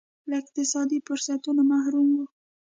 له اقتصادي فرصتونو محروم وو.